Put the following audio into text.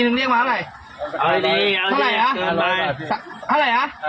นี่นี่นี่นี่นี่